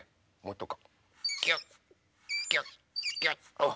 あっ！